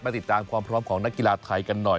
ติดตามความพร้อมของนักกีฬาไทยกันหน่อย